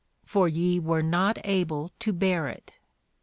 For ye were not yet able to hear it.